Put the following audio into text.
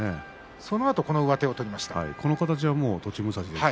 そのあと上手を取りにいきました。